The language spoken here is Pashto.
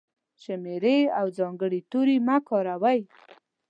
شمېرې او ځانګړي توري مه کاروئ!.